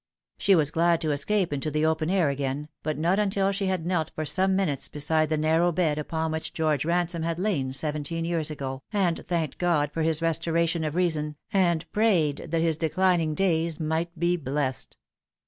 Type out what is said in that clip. She was glad to escape into the open air again, but not until she had knelt for some minutes beside the narrow bed upon which George Ran some had lain seventeen years ago, and thanked God for his restoration of reason, and prayed that his declining days might be blessed.